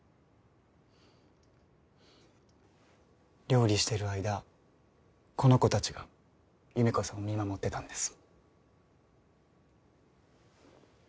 料理してる間この子達が優芽子さんを見守ってたんです